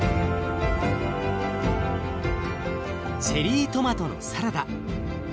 チェリートマトのサラダ。